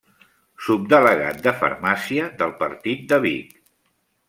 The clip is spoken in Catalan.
Subdelegat de Farmàcia del partit de Vic.